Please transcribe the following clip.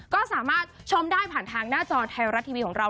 ก็สามารถชมได้ผ่านทางหน้าจอไทยรัฐทีวีของเรา